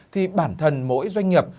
thì bản thân mỗi doanh nghiệp